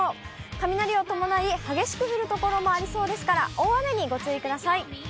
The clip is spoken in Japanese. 雷を伴い、激しく降る所もありそうですから、大雨にご注意ください。